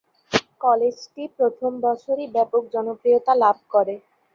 কলেজটি প্রথম বছরই ব্যাপক জনপ্রিয়তা লাভ করে।